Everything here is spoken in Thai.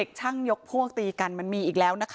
ช่างยกพวกตีกันมันมีอีกแล้วนะคะ